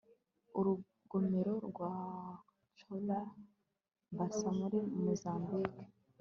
urugomero rwa cahora bassa muri mozambike